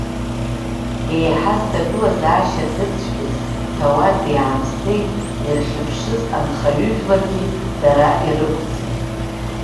Еиҳа зҭагылазаашьа дырцәгьаз ҭауади-аамсҭеи ирхьыԥшыз анхаҩыжәларгьы дара ирықәӡит.